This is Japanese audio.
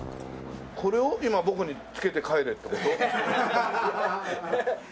これを今僕に着けて帰れって事？